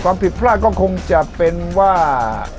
ความผิดพลาดก็คงจะเป็นว่า